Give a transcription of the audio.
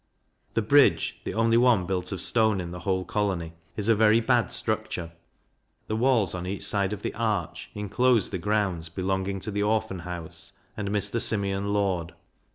The Bridge, the only one built of stone in the whole colony, is a very bad structure; the walls on each side of the arch inclose the grounds belonging to the Orphan house and Mr. Simeon Lord.